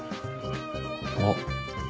あっ。